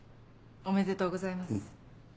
おめでとうございます。